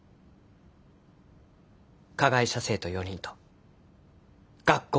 加害者生徒４人と学校を訴える。